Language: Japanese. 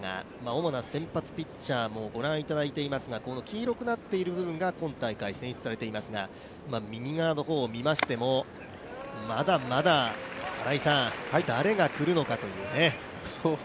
主な先発ピッチャーもご覧いただいていますがこの黄色くなっている部分が今大会、選出されていますが右側の方を見ましても、まだまだ誰が来るのかというね。